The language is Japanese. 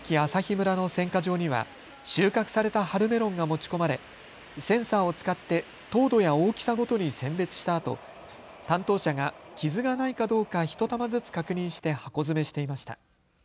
村の選果場には収穫された春メロンが持ち込まれセンサーを使って糖度や大きさごとに選別したあと担当者が傷がないかどうか１玉ずつ確認して箱詰めしていました。